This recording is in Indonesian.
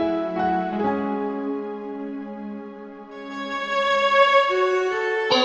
aku sudah berhenti